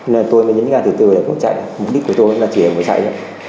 nên tôi mới nhấn ga từ từ để bỏ chạy mục đích của tôi chỉ là để bỏ chạy